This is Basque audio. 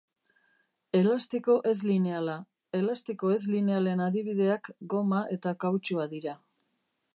Elastiko ez-lineala: Elastiko ez-linealen adibideak goma eta kautxua dira.